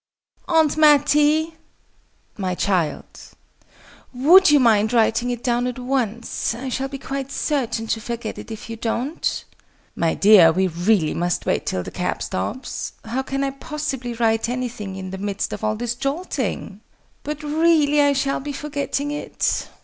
"Aunt Mattie!" "My child?" "Would you mind writing it down at once? I shall be quite certain to forget it if you don't!" "My dear, we really must wait till the cab stops. How can I possibly write anything in the midst of all this jolting?" "But really I shall be forgetting it!"